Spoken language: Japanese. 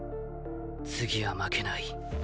次は負けない。